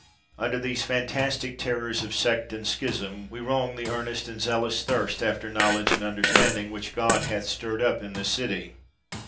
Under these fantastic terrors of sect and schism, we wrong the earnest and zealous thirst after knowledge and under standing which God hath stirred up in this city.